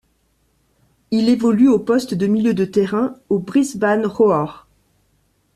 Il évolue au poste de milieu de terrain au Brisbane Roar.